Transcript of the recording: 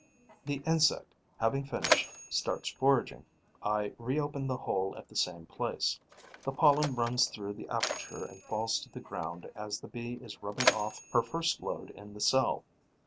The insect, having finished, starts foraging. I reopen the hole at the same place. The pollen runs through the aperture and falls to the ground as the Bee is rubbing off her first load in the cell.